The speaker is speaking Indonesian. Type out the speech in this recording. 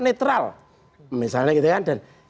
netral misalnya gitu kan